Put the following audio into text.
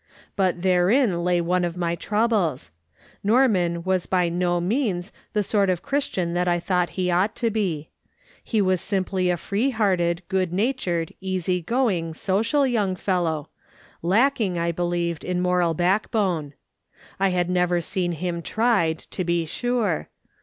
But therein lay one of my troubles ; Norman was by no means the sort of Christian that I thought he ought to be ; he was simply a free hearted, good natured, easy going, social young fellow, lacking, I believed, in moral backbone. I had never seen him tried, to be sure.